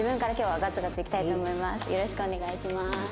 よろしくお願いします。